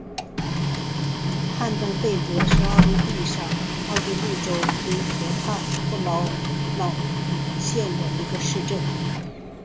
汉登贝格是奥地利上奥地利州因河畔布劳瑙县的一个市镇。